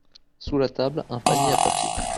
Sous la table, un panier à papier.